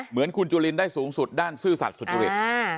เหมือนคุณจุลินได้สูงสุดด้านซื่อสัตว์สุจริต